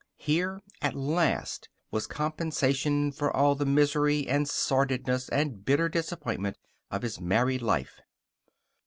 Here, at last, was compensation for all the misery and sordidness and bitter disappointment of his married life.